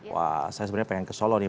wah saya sebenarnya pengen ke solo nih